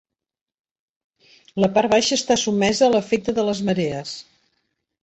La part baixa està sotmesa a l'efecte de les marees.